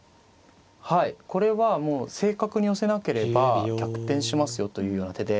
はいこれはもう正確に寄せなければ逆転しますよというような手で。